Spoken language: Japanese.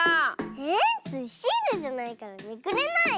⁉えスイシールじゃないからめくれないよ。